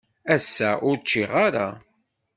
Ass-a, ur ččiɣ ara.